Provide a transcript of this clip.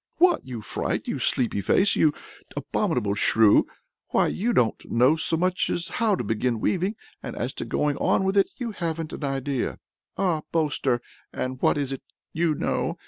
"What, you fright! you sleepy face! you abominable shrew! why, you don't know so much as how to begin weaving: and as to going on with it, you haven't an idea!" "Aha, boaster! and what is it you know?